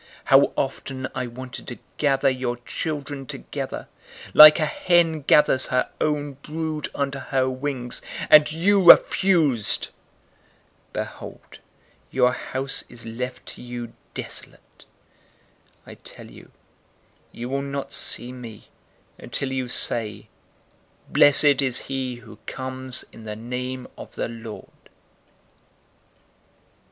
How often I wanted to gather your children together, like a hen gathers her own brood under her wings, and you refused! 013:035 Behold, your house is left to you desolate. I tell you, you will not see me, until you say, 'Blessed is he who comes in the name of the Lord!'"